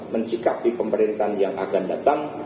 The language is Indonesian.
mensikapi pemerintahan yang akan datang